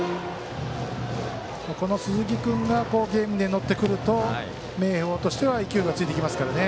鈴木君がゲームで乗ってくると明豊としては勢いがついてきますからね。